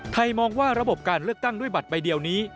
มองว่าระบบการเลือกตั้งด้วยบัตรใบเดียวนี้